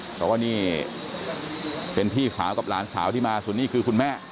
เพราะว่านี่เป็นพี่สาวกับหลานสาวที่มาส่วนนี้คือคุณแม่